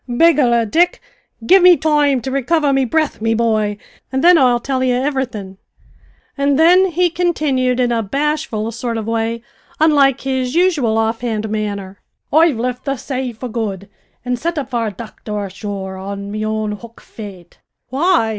"Begorrah, Dick, give me toime to recover me bre'th, me bhoy, an' thin I'll till ye ivverythin'," and then he continued in a bashful sort of way, unlike his usual off hand manner, "I've lift the say for good, an' sit up for a docther ashore on me own hook, faith." "Why!"